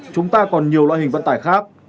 chúng ta còn nhiều loại hình vận tải khác